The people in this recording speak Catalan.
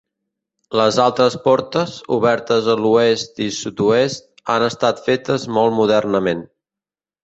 Les altres portes, obertes a l'oest i al sud-oest, han estat fetes molt modernament.